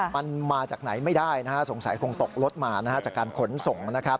มันมาจากไหนไม่ได้สงสัยคงตกรถมาจากการขนส่ง